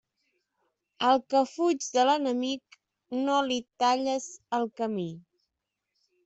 Al que fuig de l'enemic no li talles el camí.